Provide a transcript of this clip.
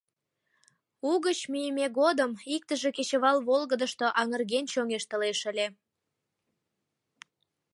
Угыч мийыме годым иктыже кечывал волгыдышто аҥырген чоҥештылеш ыле.